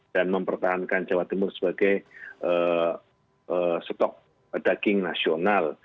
dan mempertahankan jawa timur sebagai stok daging nasional